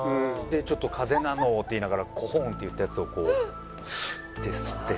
「ちょっと風邪なの」って言いながらコホンって言ったやつをこうシュッて吸って。